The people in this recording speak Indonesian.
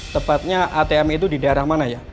tepatnya atm itu di daerah mana ya